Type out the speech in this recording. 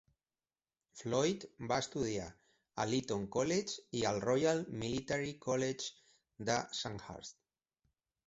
Floyd va estudiar a l'Eton College i al Royal Military College de Sandhurst.